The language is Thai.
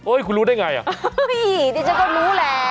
โอ๊ยคุณรู้ได้ไงอ่ะเฮ้ยเดี๋ยวก็รู้แหละ